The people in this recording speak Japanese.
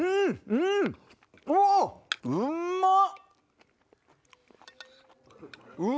うんまっ！